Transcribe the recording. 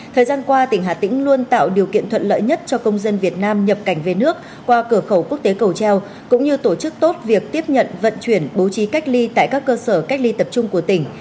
thời gian qua tỉnh hà tĩnh luôn tạo điều kiện thuận lợi nhất cho công dân việt nam nhập cảnh về nước qua cửa khẩu quốc tế cầu treo cũng như tổ chức tốt việc tiếp nhận vận chuyển bố trí cách ly tại các cơ sở cách ly tập trung của tỉnh